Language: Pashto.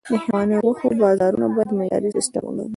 د حيواني غوښو بازارونه باید معیاري سیستم ولري.